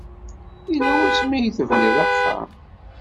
Yella wasmi ay tebniḍ axxam?